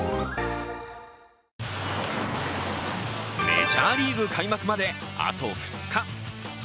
メジャーリーグ開幕まであと２日。